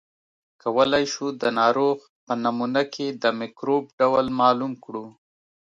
کولای شو د ناروغ په نمونه کې د مکروب ډول معلوم کړو.